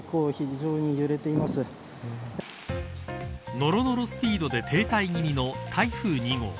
のろのろスピードで停滞気味の台風２号。